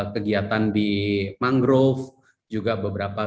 kegiatan di mangrove juga beberapa